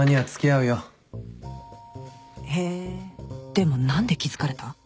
でも何で気付かれた？